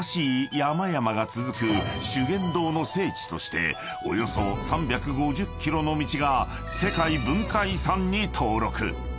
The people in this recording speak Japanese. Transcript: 山々が続く修験道の聖地としておよそ３５０ｋｍの道が世界文化遺産に登録］